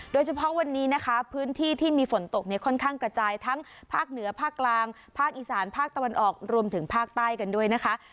โดยเฉพาะวันนี้นะคะพื้นที่ที่มีฝนตกเนี่ยค่อนข้างกระจายทั้งภาคเหนือภาคกลางภาคอีสานภาคตะวันออกรวมถึงภาคใต้กันด้วยนะคะ